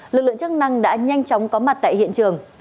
lực lượng chức năng đã nhanh chóng có mặt tại hiện trường